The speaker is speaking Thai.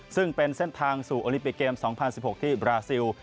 ซึ่งเป็นเส้นทางสู่โอลิปิกเกม๒๐๑๖ที่บราซิล